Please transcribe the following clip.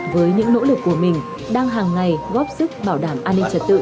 với những nỗ lực của mình đang hàng ngày góp sức bảo đảm an ninh trật tự